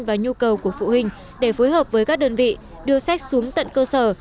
và nhu cầu của phụ huynh để phối hợp với các đơn vị đưa sách xuống tận cơ sở